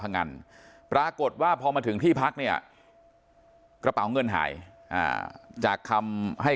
พังงันปรากฏว่าพอมาถึงที่พักเนี่ยกระเป๋าเงินหายจากคำให้